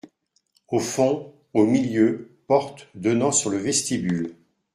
Au fond, au milieu, porte donnant sur le vestibule.